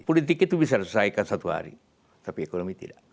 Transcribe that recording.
politik itu bisa diselesaikan satu hari tapi ekonomi tidak